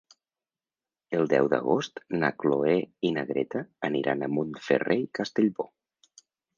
El deu d'agost na Cloè i na Greta aniran a Montferrer i Castellbò.